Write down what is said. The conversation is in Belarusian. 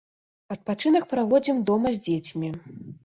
Адпачынак праводзім дома з дзецьмі.